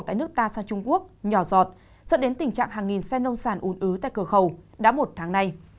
tại nước ta sang trung quốc nhỏ giọt dẫn đến tình trạng hàng nghìn xe nông sản ùn ứ tại cửa khẩu đã một tháng nay